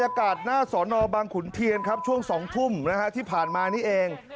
อากาศหน้าสอนอบางขุนเทียนครับช่วง๒ทุ่มนะฮะที่ผ่านมานี่เอง